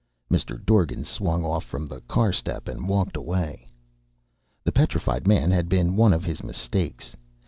Mr. Dorgan swung off from the car step and walked away. The Petrified Man had been one of his mistakes.